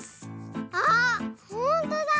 あっほんとだ！